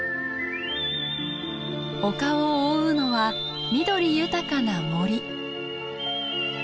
丘を覆うのは緑豊かな森。